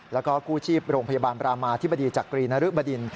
แล้วก็กู้ชีพโรงพยาบาลบรามาธิบดีจักรีนรึบดิน